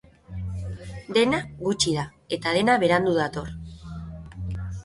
Dena gutxi da eta dena berandu dator.